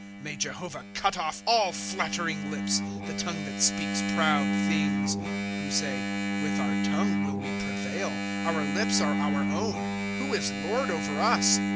,3 May Jehovah cut off all flattering lips, The tongue that speaks proud things ;* "Who say : With our tongue will we prevail ; Our lips are our own ; who is lord over us